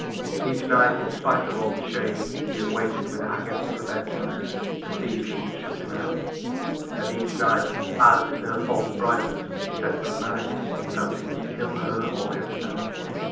Each night, in spite of all the shame, he had waited with agony for bedtime, to see if she would shut him out. And each night, as, in her false brightness, she said Good night, he felt he must kill her or himself.